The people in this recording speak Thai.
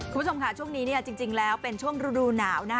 คุณผู้ชมค่ะช่วงนี้จริงแล้วเป็นช่วงฤดูหนาวนะ